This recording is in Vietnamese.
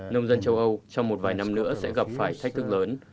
nông dân châu âu trong một vài năm nữa sẽ gặp phải thách thức lớn